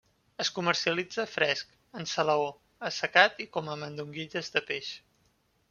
Es comercialitza fresc, en salaó, assecat i com a mandonguilles de peix.